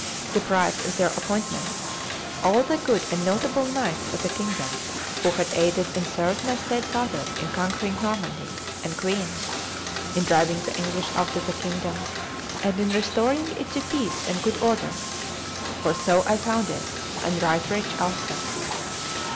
e., deprived of their appointments] all the good and notable knights of the kingdom who had aided and served my said father in conquering Normandy and Guienne, in driving the English out of the kingdom, and in restoring it to peace and good order, for so I found it, and right rich also.